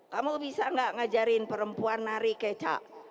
kamu bisa nggak ngajarin perempuan nari kecak